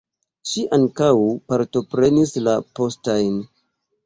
Ŝi ankaŭ partoprenis la postajn.